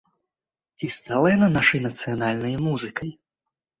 Ці стала яна нашай нацыянальнай музыкай?